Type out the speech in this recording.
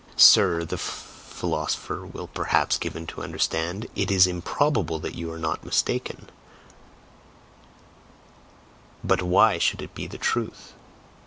"Sir," the philosopher will perhaps give him to understand, "it is improbable that you are not mistaken, but why should it be the truth?"